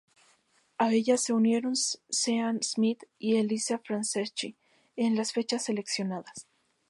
A ellos se unieron Sean Smith y Elissa Franceschi en las fechas seleccionadas.